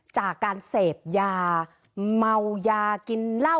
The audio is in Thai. จากการเสพยาเมายากินเหล้า